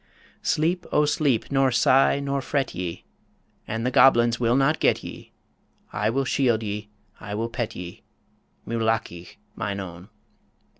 Sleep, O sleep, nor sigh nor fret ye, And the goblins will not get ye, I will shield ye, I will pet ye Moolachie, mine own.